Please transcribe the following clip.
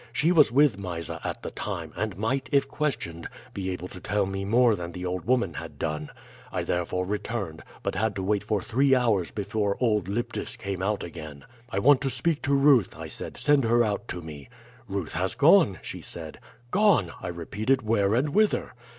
She was with Mysa at the time, and might, if questioned, be able to tell me more than the old woman had done. I therefore returned, but had to wait for three hours before old Lyptis came out again. "'I want to speak to Ruth,' I said. 'Send her out to me.' "'Ruth has gone,' she said. "'Gone!' I repeated. 'Where and whither?'